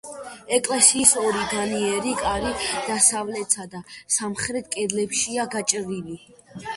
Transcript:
ეკლესიის ორი განიერი კარი დასავლეთსა და სამხრეთ კედლებშია გაჭრილი.